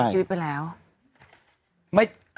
เสียชีวิตไปแล้ว